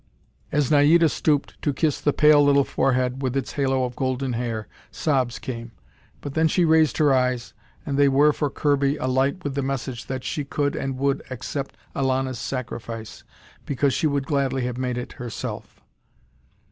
As Naida stooped to kiss the pale little forehead with its halo of golden hair, sobs came. But then she raised her eyes, and they were, for Kirby, alight with the message that she could and would accept Elana's sacrifice, because she would gladly have made it herself.